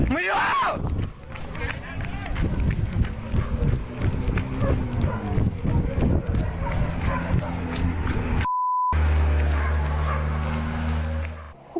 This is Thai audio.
ไม่รู้